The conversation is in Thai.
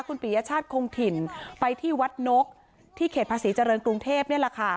คุณปียชาติคงถิ่นไปที่วัดนกที่เขตภาษีเจริญกรุงเทพนี่แหละค่ะ